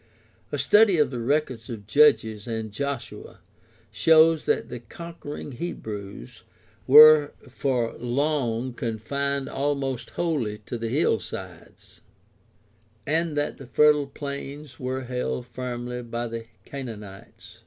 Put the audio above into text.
A study of the records of Judges and Joshua shows that the conquering Hebrews were for long confined almost wholly to the hillsides, and that the fertile plains were held firmly by the Canaanites.